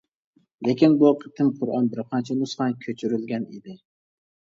لېكىن بۇ قېتىم قۇرئان بىر قانچە نۇسخا كۆچۈرۈلگەن ئىدى.